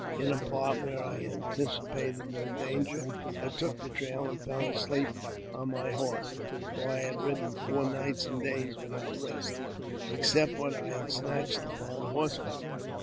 In a part where I anticipated no danger, I took the lII, and fell asleep on my horse, for I had ridden four days id nights without rest, except what I had snatched upon lorseback.